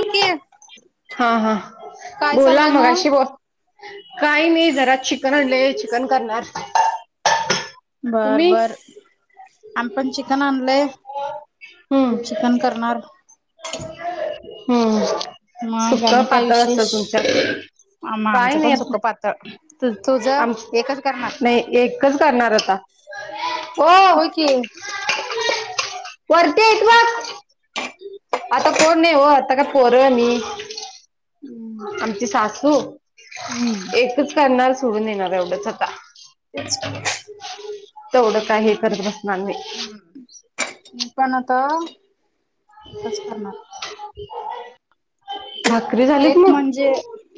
की हा, हा काय बोला चाललंय मग अशी ब काही नाही जरा चिकन आणलय चिकन करणार. बर, तुम्ही बर. मी पण, चिकन आणलय हम्म चिकन करणार. हम्म, मग सुख आणि काय पातळ विशेष? असतं तुमच्यात? मग काय आमचं नाही, पण सुकं पातळ तु तुझं आम, एकच करणार? नाही एकच करणार आता. हो होय की. वरती हाईत बघ. आता कोण नाही वो, आता काय पोर मी. आमची सासू, हम्म एकच करणार सोडून येणार एवढंच आता. तेच की. तेवढं काय हे करत बसणार नाही. मी पण आता एकच करणार. भाकरी झाल एक म्हणजे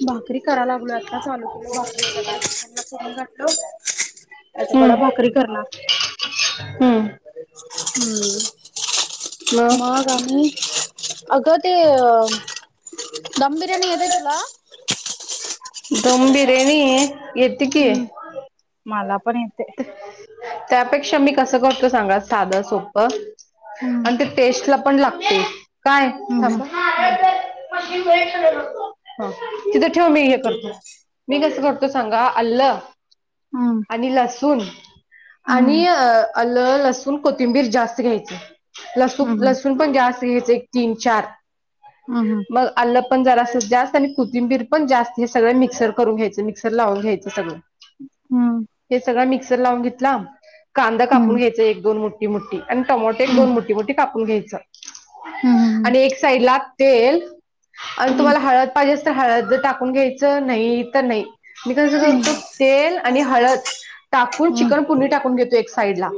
भाकरी कराय लागलोय आता चालू केल भाकरी एकाकड फोडणी घातलो. एका कडा हम्म भाकरी करणार. हम्म हम्म. मग मगं अनी अगं ते अ दम बिर्याणी येते तुला? दम बिर्याणी येती की. हम्म मला पण येतय. त्यापेक्षा मी कसं करतो सांगा साधं, सोप हम्म आणि ते टेस्ट ला पण लागतय काय? थांब हम्म ह. हम्म ह, तिथे ठेव मी हे करतो मी कसं करतो सांगा! अल्ल, आणि ल हम्म आणि अ अल्लं, लसून, कोथिंबीर जास्त घ्यायची लसू, हम्म लसूण पण जास्त घेते एक, तीन, चार हम्म मग आल्लं पण जरास जास्त आणि कोथिंबीर पण जास्त हे सगळं मिक्सर करून घ्यायचं, मिक्सर लावून घ्यायचं सगळं हम् सगळ मिक्सर लावून घेतला कांदा कापून घ्यायच एक दोन मोठी- मोठी आणि टोमोटो एक दोन हम्म मोठी -मोठी कापून घ्यायचं. हम्म आणि एक साइडला तेल आणि तुम्हाला हळद. पाहिजेस तर हळद टाकून घ्यायचं, नाही तर नाही. मी कसं करतो तेल आणि हळद. टाकून हम्म चिकन पुनी टाकून घेतो एक साईडला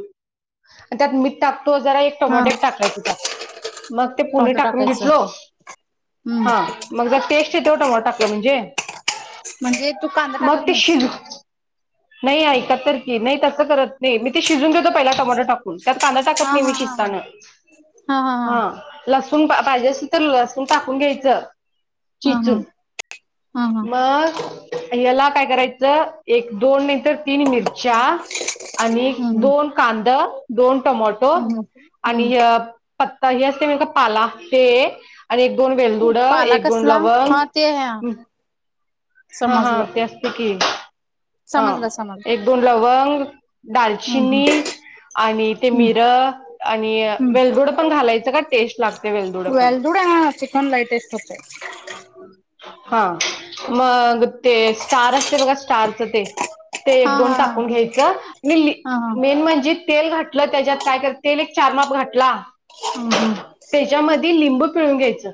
त्यात मीठ टाकतो जरा एक हा. टोमोटो टाकायचे टा मग ते पुणे टोमॅटो टाकून टाकायचं घेतलो हम्म हा मग जर टेस्ट आहे तेवढं म टाकलं म्हणजे म्हणजे तू कांदा टाकत मग ते नाहीस शिजू नाही ऐकात तर की नाही तसं करत नाही मी ते शिजून घेतो पहिला टमोटो टा त्यात कांदा टाकत हा हा नाहीेहमी हा शिजताना हा लसण पाहिजे चलं असून टाकून घ्यायचं हा हा चिचून हा हा मग याला काय करायचं एक दोन नंतर तीन मिर चा आणि हम्म दोन कांदा दोन टमोटो हम्म हम्म. आणि पत्ता हे असते म का पाला ते आणि एक दोन वेलदुड पाला एक दोन कसला हा ते लवंग हा हा समजलं ते शिकी हा समजलं समजलं. एक दोन लवंग हम्म हम्म. दालचिनी आणि ते हम्म मिर आणि हम्म वेलदुड पण घालायचं का टेस्ट लागत वेल्डुड हणार चिकन लाईटेस्ट असते हा मग ते स्टार असते बघा स्टारच ते ते हा एक दोन हा टाकून घ्यायचं आणि हा हा हा मेन म्हणजे तेल घटलं त्याच्यात काय कर तेल एक चार माप घटला ह हम त्याच्यामध्ये लिंबू पिळून घ्यायचं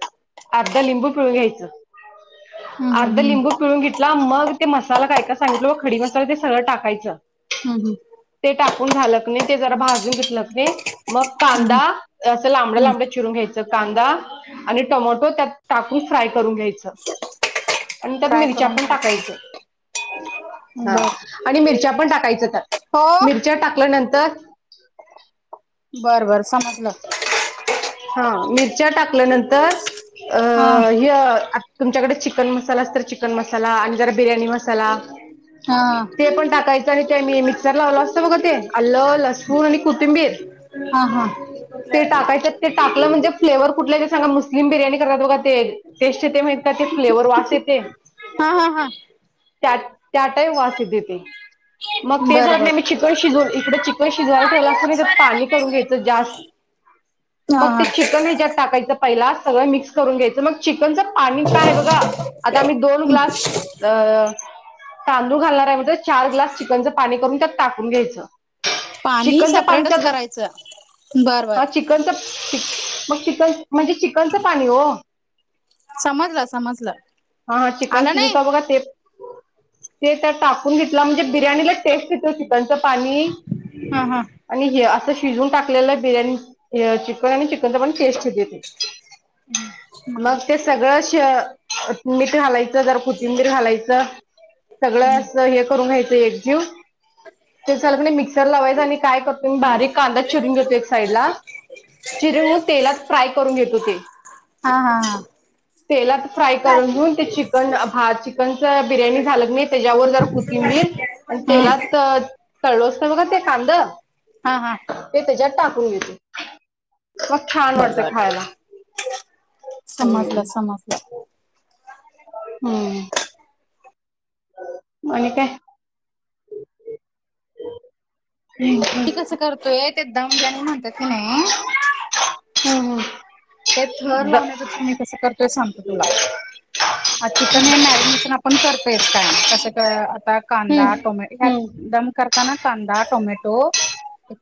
अर्धा लिंबू पिळून घ्यायचं हम्म अर्ध हम्म लिंबू पिळून घेतला मग ते मसाला काय का सांगितलो खडी मसाला ते सगळं टाकायचं हम्म ते टाकून झालं नाही ते जरा भाजून घेतलं नाही मग हम्म कांदा अस लांबड हम्म. लांबड, चिरून घ्यायचं कांदा आणि टमॅटो त्यात टाकून फ्राय करून घ्यायचं, आणि त्यात फ्राय मिरच्या करून पण घ्यायचं. टाकायच हा, बर आणि मिरच्या पण टाकायच हो मिरच्या टाकल्यानंतर, बरं बरं समजलं. हा मिरच्या टाकल्यानंतर हा अ तुमच्याकडे चिकन मसाला अस तर चिकन मसाला आणि जरा बिर्याणी मसाला, हा ते पण टाकायचं आणि ते मी मिक्सर लावलं असत बघ ते आलं लसूण आणि कोथिंबीर, हा हा ते टाकायच्या ते टाकलं म्हणजे फ्लेवर कुठला ज सांगा मुस्लिम बिर्याणी ात बघ ते टेस्ट ते ते फ्लेवर वास य ते, हा हा हा त्या त्या टाही वास येते मग ते बर झा नाही बर आम्ही चिकन शिज इकडें चिकन शिजवायला ठेवलं असतो नाही तर पाणी, घ्याय जास् म हा हा ते चिकन जत टाकाच. पहिला सगळं मिक्स करून घ्यायचं मग चिकनचं पाणी काय आहे बघा, आता आम्ही दोन ग्लास तांदूळ घालणार आहे म्ह, चार ग्लास चिकनचं पाणी करून त्यात टाकून घ्यायचं. पाणी चिकनचं पाणी सेपरेटच करायचं बर बर‌, चिकनच मग चन म्हणजे चिकनचं पाणी हो‌, समजलं समजलं हा हा चिकन आलं शिजवता बघा नाही ते, ते त्या टाकून घेतलं म्हणजे बिर्याणीला, टेस्टेतो चिकनचं पाणी हा हा आणि हे असं. शिजून टाकलेलं आहे बिर्याणी चिकन आणि चिकनचा पण टेस्ट देत. हम् मम सगळ शअ मीठ घालायच जर कोथिंबीर घालायचं सगळं असं हे करून घ्यायचं एक घेऊन ते झाल का मिक्सर लावायचं आणि काय करतो मी हा बारीक कांदाच चिरून घेतो एक साईड ला चिरून तेलात फ्राय करून घेत होते. हा हा हा. तेलात फ्राय करून घेऊन ते चिकन अ भा चिकनच बिर्याणी झालं का नाही त्याच्यावर जरा कोथिं कोथिंबीर आणि हा हा तेलात अ तळो असतो बघा ते कांद हा हा. ते त्याच्यात टाकून घेतो. मग छान वाटते खायला हम्म. समजलं समजलं हमम. आणि काय? [unintelligible] ती कसं करतोय ते दम बिर्याणी म्हणतात की नाही हम्म ते थर हम्म. द- लावण्यापेक्षा मी कसं करतोय सांगतो तुला ह चिकन हे मॅरिनेशन आपण करतयच कायम कसं काय का कांदा हम्म टोमॅ ह्यात हम्म दम करताना कांदा टोमॅटो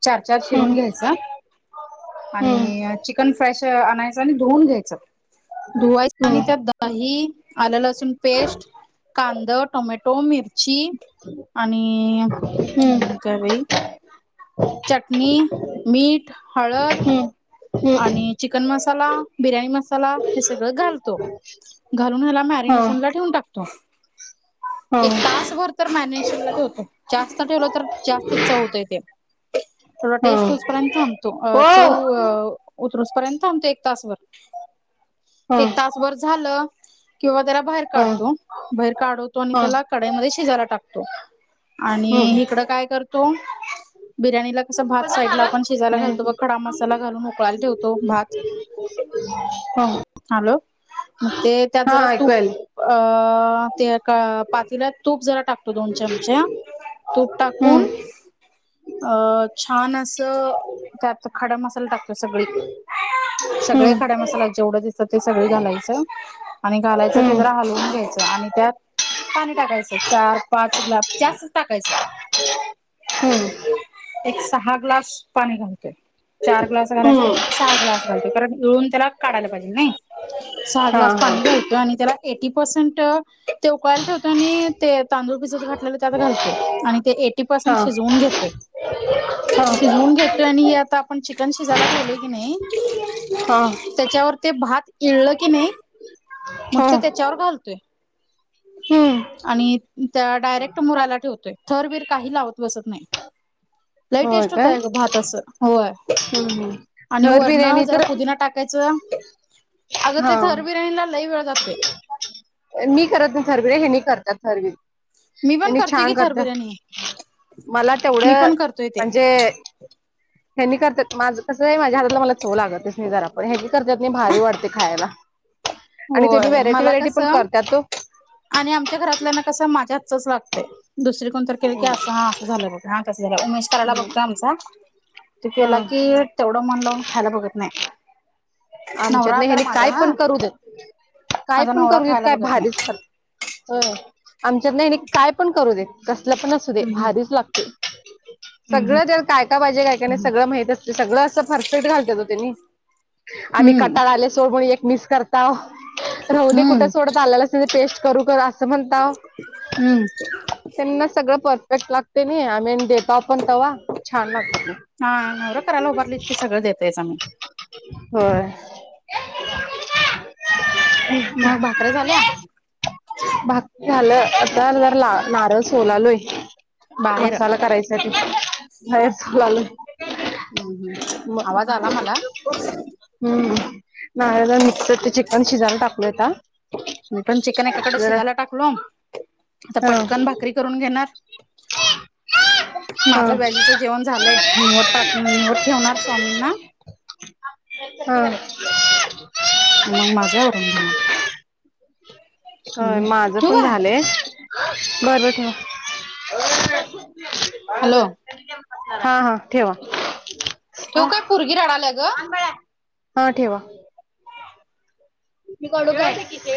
चार चार चिरून हम्म घ्यायचा. हम्म आणि चिकन फ्रेश आणायच आणि धुऊन घ्यायच धुवायच आणि हम्म त्यात दही, आलं लसूण पेस्ट, कांदा, टोमॅटो, मिरची आणि हम्म हम्म आणि काय बाई चटणी, मीठ, हळद. हम्म आणि चिकन मसाला, बिर्याणी मसाला हे सगळं घालतो. घालून ह्याला हा मॅरिनेशन ला ठेवून टाकतो. हा एक तास भर तर मॅरिनेशनला ठेवतो जास्त ठेवलं तर जास्त चव येतय ते. थोडा हा टेस्ट येऊ पर्यंत थांबतो ओ चौअ उतरूस पर्यंत थांबतो एक हा तासभर एक तासभर झालं किंवा त्याला बाहेर हा काढतो बाहेर काढवतो आणि हा त्याला कडाईमध्ये शिजायला टाकतो. आणि हम्म हिकडं काय करतो बिर्याणी ल कस भात साईडला आपण शिजायला घालतो बघ नाही. खडा मसाला घालून उकळायला ठेवतो भात हा हॅलो मग ते त्यात हा जरा ऐकू यायलय. तूप अ ते एका पातेल्यात तूप जरा टाकतो दोन चमचे तूप टाकून हम्म अ छान अस त त्यात खडा मसाला टाकतो सगळी सगळे हम्म खडे मसाला जेवढ दिस त ते सगळी घालायचं आणि घालायचं ते हम्म जरा हालवून घ्यायचं आणि त्यात पाणी टाकायचं चार पाच ग्लास जास्तच टाकायच. हम्म एक सहा ग्लास पाणी घालतोय चार ग्लास घालायचे हम्म तिथ सहा ग्लास घालतो कारण येळून त्याला काढायला पाहिजे नाही सहा हा ग्लास हा पाणी घाल ठेवतो आणि त्याला एटी परसेंट ते उकळायला ठेवतो आणि ते तांदूळ भिजत घाल त्यात घालतोय आणि ते एटी परसेंट हा शिजवून घेतोय हा शिजवून घेत घेतोय आणि आता आपण चिकन शिजायला ठेवलंय की नई हा. त्याच्यावर ते भात इळलं की नई मग हो ते त्याच्यावर घालतोय. हम्म आणि त्या डायरेक्ट मुरायला ठेवतोय थर बीर काही लावत बसत नाही. लई होय टेस्ट काय होतय ग भात असं होय. हम्म. आणि थर वर्ण बिर्याणी जरा तर पुदीना टाकायचं अगं ते हा थर बिर्याणीला लई वेळ जातोय. मी करत नई थर बीर हेनी करतात थर बी मी पण तेनी करतोय की छान थर करत्यात बिर्याणी मला मी पण तेवढं करतोय ते म्हणजे हेनी करत्यात माझं कसंय‌ माझ्या हातातल मला चव लागतच नई जरा पण हेनी करत्यात नई भारी वाटते खायला आणि ते बि होय व्हेरॅटी मला व्हेरॅटी पण कसं करत्यात तो आणि आमच्या घरातल्या ना कसं माझ्या हातचच लागतय दुसरी कोणतर केले की असं हा अस झालं बघ आ तसं झालं उमेश करायला हम्म बघतो आमचा तो हा केला की त्यवडं मन लावून खायला बघत नाही आमच्यातन नवरा तर हेनी माझा काय हा पण करू देत काय माझा पण नवरा करू देत खायला काय बघत नाही. भारीच कर अ आमच्यात नाही काय पण करू दे कसलं पण असू दे हम्म भारीच लागते हम्म सगळं त्यात काय काय पाजे काय काय नई सगळं म्हईत असत सगळं असं फरफेक्ट घालत्यात हो त्येंनी आमी हम्म कटाळ आले सोड [unintelligible] एक मिस करताव रहू दे कुट हम्म सोड आलेलं अस पेस्ट करू कर असं म्हणताव हम्म त्येंना सगळं परफेक्ट लागते नई आमी न देताव पण तवा छान लाग हा नवरा करायला उभारलीत की सगळं देतायच आम्ही. होय [inaudible] मग भाकऱ्या झाल्या भाक झालं आता जर ला नारळ सोलालोय बाहेर मसाला करायचा आहे त भय लाल अंहम्म आवाज आला मला हम् मिक्सर ते चिकन शिजायला टाकलयता मी पण चिकन एकाकड शिजाला टाकलो आता हा पटकन भाकरी करून घेणार हा माझं बॅजीचं जेवण झालंय निवड टाक निवड ठेवणार स्वामींना [inaudible] हा म माझा [unintelligible] होय माझं ठेवू पण काय? झालंय बरख [inaudible] हॅलो हा हा ठेवा ठेवू काय पोरगी रडाल्या ग. [inaudible] हा ठेवा [inaudible]